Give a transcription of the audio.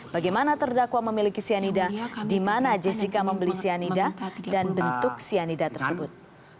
bagaimana terdakwa memiliki cyanida di mana jessica membeli cyanida dan bentuk cyanida tersebut